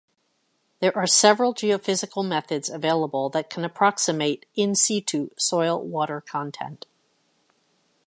There are several geophysical methods available that can approximate "in situ" soil water content.